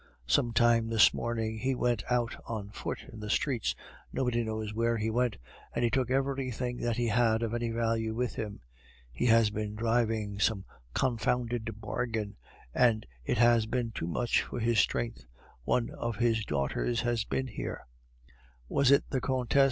Some time this morning he went out on foot in the streets, nobody knows where he went, and he took everything that he had of any value with him. He has been driving some confounded bargain, and it has been too much for his strength. One of his daughters has been here." "Was it the Countess?"